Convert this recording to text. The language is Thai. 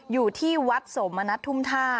อยู่ที่วัดสมนตร์ธุ่มท่า